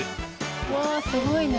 うわあすごいね。